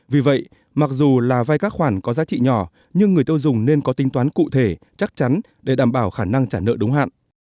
vì vậy mặc dù là vay các khoản có giá trị nhỏ nhưng người tiêu dùng nên có tính toán cụ thể chắc chắn để đảm bảo khả năng trả nợ đúng hạn